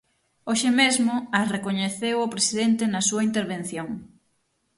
Hoxe mesmo as recoñeceu o presidente na súa intervención.